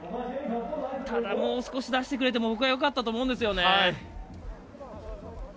ただ、もう少し出してくれても僕はよかったと思うんですよね。